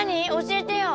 教えてよ！